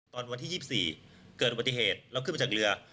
ตอนวันที่๒๔เกิดอุบัติเหตุแล้วขึ้นมาจากเรือ